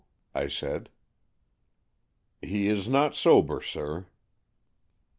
I said. " He is not sober, sir."